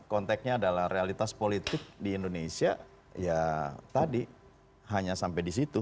konteksnya adalah realitas politik di indonesia ya tadi hanya sampai di situ